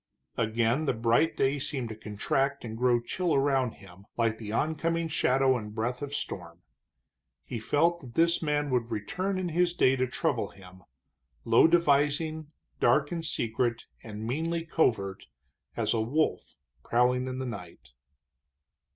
Again the bright day seemed to contract and grow chill around him, like the oncoming shadow and breath of storm. He felt that this man would return in his day to trouble him, low devising, dark and secret and meanly covert as a wolf prowling in the night.